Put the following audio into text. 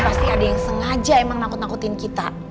pasti ada yang sengaja emang nakut nakutin kita